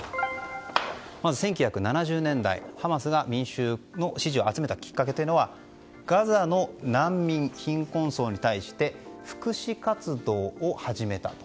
まず１９７０年代、ハマスが民衆の支持を集めたきっかけはガザの難民・貧困層に対して福祉活動を始めたと。